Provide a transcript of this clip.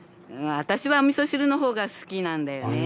私はおみそ汁のほうが好きなんだよねぇ。